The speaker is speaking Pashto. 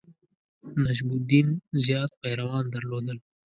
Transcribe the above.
نجم الدین زیات پیروان درلودل.